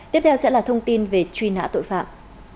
tiếp theo sẽ là thông tin về truy nã tội phạm